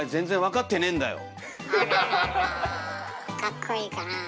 かっこいいかなあ？